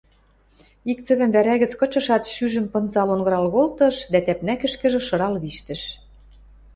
Ик цӹвӹм вӓрӓ гӹц кычышат, шӱжӹм пынзал, онгырал колтыш дӓ тӓпнӓкӹшкӹжӹ шырал пиштӹш.